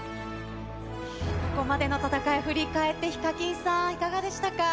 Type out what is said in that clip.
ここまでの闘い振り返って、ＨＩＫＡＫＩＮさん、いかがでしたか？